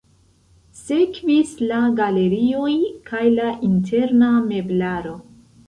Sekvis la galerioj kaj la interna meblaro.